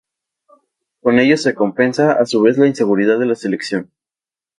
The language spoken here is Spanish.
Con ello se compensa, a su vez, la inseguridad de la selección.